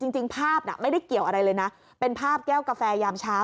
จริงภาพน่ะไม่ได้เกี่ยวอะไรเลยนะเป็นภาพแก้วกาแฟยามเช้า